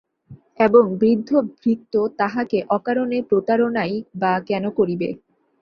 এবং বৃদ্ধ ভৃত্য তাঁহাকে অকারণে প্রতারণাই বা কেন করিবে।